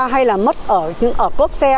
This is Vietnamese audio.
hay là mất ở cốp xe